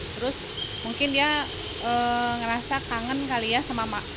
terus mungkin dia ngerasa kangen kali ya sama mak